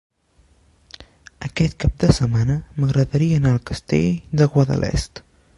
Aquest cap de setmana m'agradaria anar al Castell de Guadalest.